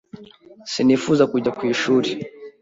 sinifuza kujya ku ishuri.